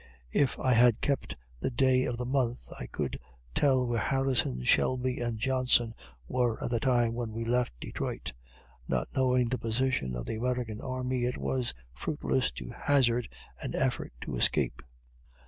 If I had kept the day of the month, I could tell where Harrison, Shelby, and Johnson, were at the time when we left Detroit. Not knowing the position of the American army, it was fruitless to hazard an effort to escape.